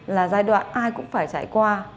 là giai đoạn ai cũng phải trải qua